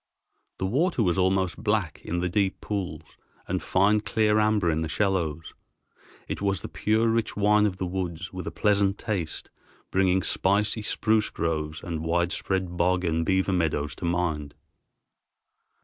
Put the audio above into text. The water was almost black in the deep pools and fine clear amber in the shallows. It was the pure, rich wine of the woods with a pleasant taste, bringing spicy spruce groves and widespread bog and beaver meadows to mind.